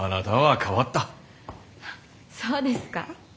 そうですか？